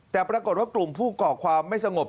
แต่ปรากฏว่ากลุ่มผู้ก่อความไม่สงบ